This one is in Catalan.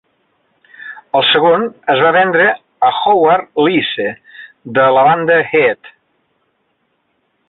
El segon es va ventre a Howard Leese, de la banda Heart.